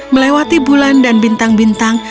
melewati bulan dan bintang bintang